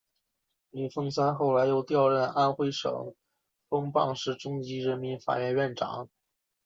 李奉三后来又调任安徽省蚌埠市中级人民法院院长。